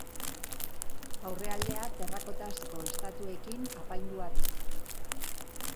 Aurrealdea terrakotazko estatuekin apaindua du.